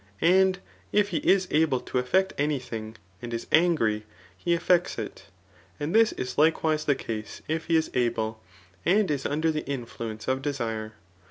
And if he is abk.to effect any thing, and is angry, he effects it j and this is likewise the case if he is able, and is under the influence of desire.